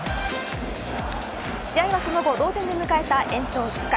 試合はその後同点で迎えた延長１０回。